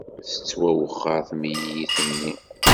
Tettwawexxer temlilit-nni.